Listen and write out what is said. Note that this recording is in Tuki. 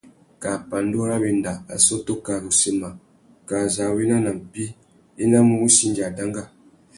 Kā pandú râ wenda, assôtô kā zu mù sema, kā zu a wena nà mpí, a enamú wussi indi a danga.